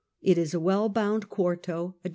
It is a well bound quarto, Ed.